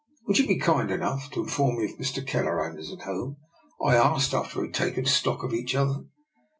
" Would you be kind enough to inform me if Mr. Kelleran is at home? " I asked, after we had taken stock of each other.